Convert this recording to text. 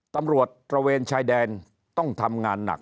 ตำรวจประเวณชายแดน